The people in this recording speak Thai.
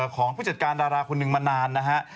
ของผู้จัดการดาราคนหนึ่งมานานนะฮะ